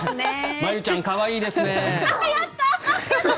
真由ちゃん可愛いですね。